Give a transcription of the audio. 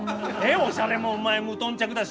おしゃれもお前無頓着だしよ。